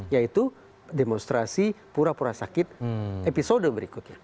yaitu demonstrasi pura pura sakit episode berikutnya